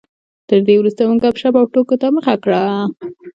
تر دې وروسته مو ګپ شپ او ټوکو ته مخه کړه.